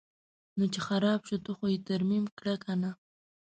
نو چې خراب شو ته خو یې ترمیم کړه کنه.